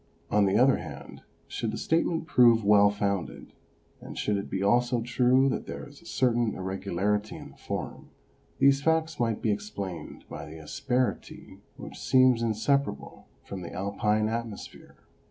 On the other hand, should the statement prove well founded, and should it be also true that there is a certain irregularity in the form, these facts might be explained by the asperity which seems inseparable from the Alpine atmosphere.